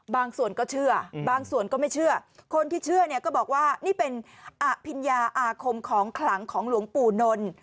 บางส่วนก็เชื่อบางส่วนก็ไม่เชื่อคนที่เชื่อเนี่ยก็บอกว่านี่เป็นอภิญญาอาคมของขลังของหลวงปู่นนท์